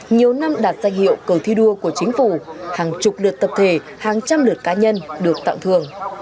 nhiều năm đạt danh hiệu cầu thi đua của chính phủ hàng chục lượt tập thể hàng trăm lượt cá nhân được tặng thường